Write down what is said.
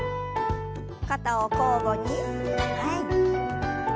肩を交互に前に。